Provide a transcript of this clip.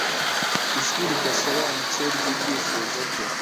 Ijwi ridasobanutse ryibyifuzo bye